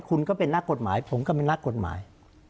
คุณก็เป็นนักกฎหมายผมก็เป็นนักกฎหมาย